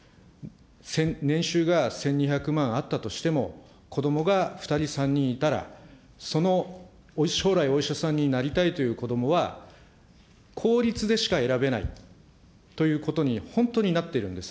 年収が１２００万あったとしても、こどもが２人、３人いたら、その将来、お医者さんになりたいというこどもは、公立でしか選べないということに、本当になってるんです。